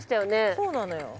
そうなのよ。